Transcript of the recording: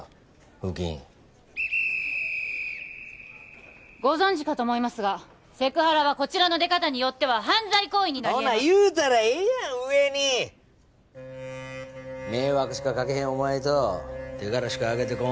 風紀委員ご存じかと思いますがセクハラはこちらの出方によっては犯罪行為ほな言うたらええやん上に迷惑しかかけへんお前と手柄しかあげてこん